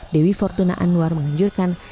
dewi fortuna anwar menganjurkan